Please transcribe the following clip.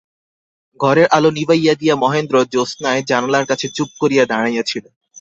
ঘরের আলো নিবাইয়া দিয়া মহেন্দ্র জ্যোৎস্নায় জানলার কাছে চুপ করিয়া দাঁড়াইয়া ছিল।